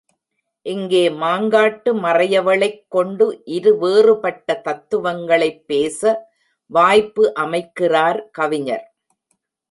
இங்கே மாங்காட்டு மறையவளைக் கொண்டு இரு வேறுபட்ட தத்துவங்களைப் பேச வாய்ப்பு அமைக்கிறார் கவிஞர்.